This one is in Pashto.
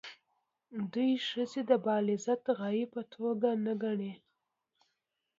دوی ښځې د بالذات غایې په توګه نه ګڼي.